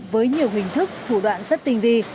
với nhiều hình thức thủ đoạn rất tinh vi